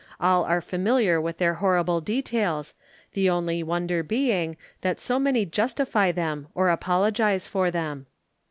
All are familiar with their horrible details, the only wonder being that so many justify them or apologize for them.